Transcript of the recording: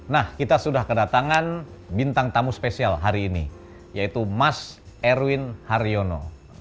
nah kita sudah kedatangan bintang tamu spesial hari ini yaitu mas erwin haryono